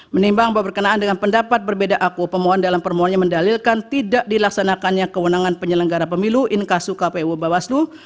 menimbang bahwa berkenaan dengan pendapat berbeda aku pemohon dalam permohonannya mendalilkan tidak dilaksanakannya kewenangan penyelenggara pemilu inkasu kpu bawaslu